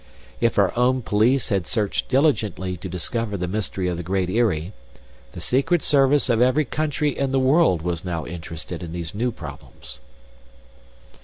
If our own police had searched diligently to discover the mystery of the Great Eyrie, the secret service of every country in the world was now interested in these new problems.